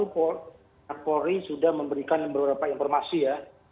pak polri sudah memberikan beberapa informasi ya